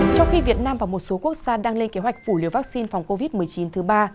trong khi việt nam và một số quốc gia đang lên kế hoạch phủ liều vaccine phòng covid một mươi chín thứ ba